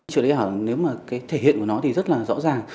trợ lý ảo nếu mà cái thể hiện của nó thì rất là rõ ràng